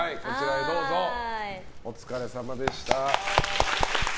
お疲れさまでした。